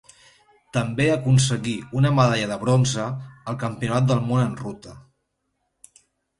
També aconseguí una medalla de bronze al Campionat del Món en Ruta.